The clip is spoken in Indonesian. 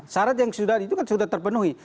syarat yang sudah itu kan sudah terpenuhi